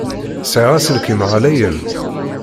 Sɛiɣ aselkim ɣlayen.